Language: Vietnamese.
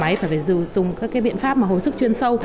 phải thở máy phải dùng các biện pháp hồi sức chuyên sâu